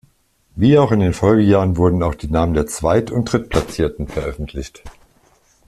Wie auch in den Folgejahren wurden auch die Namen der Zweit- und Drittplatzierten veröffentlicht.